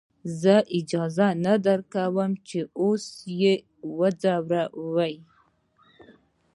زه اجازه نه درکم چې اوس يې وځورې.